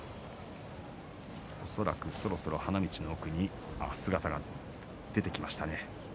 恐らくそろそろ花道の奥に姿が出てきました。